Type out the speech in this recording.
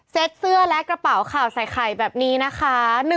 เสื้อและกระเป๋าข่าวใส่ไข่แบบนี้นะคะ